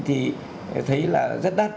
thì thấy là rất đắt